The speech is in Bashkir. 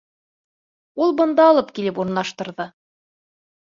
Ул бында алып килеп урынлаштырҙы.